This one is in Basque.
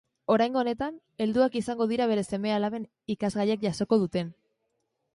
Oraingo honetan, helduak izango dira bere seme-alaben ikasgaiak jasoko duten.